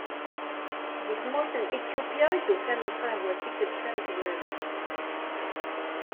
Deg tmurt n Ityupya i d-ufan lqahwa tikkelt tamezwarut.